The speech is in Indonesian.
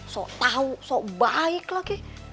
so tahu so baik lagi